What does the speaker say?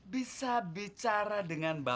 bisa bicara dengan bung gauk